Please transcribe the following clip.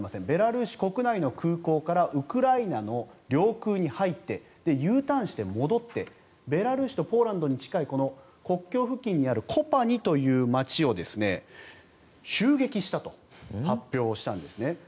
ベラルーシ国内の空港からウクライナの領空に入ってＵターンして戻ってベラルーシとポーランドに近い国境付近にあるコパニという街を襲撃したと発表したんですね。